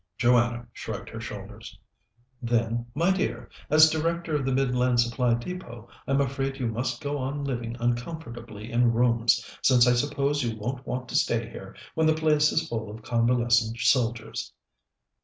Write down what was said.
Joanna shrugged her shoulders. "Then, my dear, as Director of the Midland Supply Depôt, I'm afraid you must go on living uncomfortably in rooms, since I suppose you won't want to stay here when the place is full of convalescent soldiers."